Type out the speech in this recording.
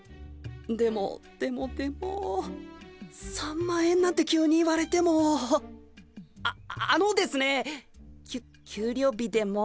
でもでもでも３万円なんて急に言われてもあっあのですねきゅ給料日でも。